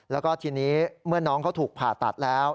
แล้วก็ทีนี้เมื่อน้องเขาถูกผ่าตัดแล้ว